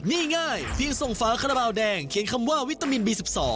นี่ง่ายเพียงส่งฝาคาราบาลแดงเขียนคำว่าวิตามินบี๑๒